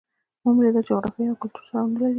ومو لیدل چې جغرافیې او کلتور تړاو نه لري.